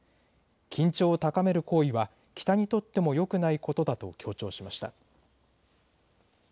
緊張を高める行為は北にとってもよくないことだと強調しました。